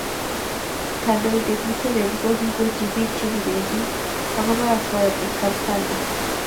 Kondoitet museveni ko kiindochi pik che kipendi ako ba osoya en kampla